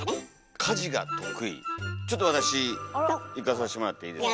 ちょっと私いかさしてもらっていいですか。